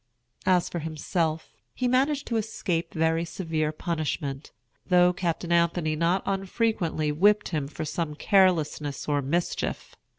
As for himself, he managed to escape very severe punishment, though Captain Anthony not unfrequently whipped him for some carelessness or mischief.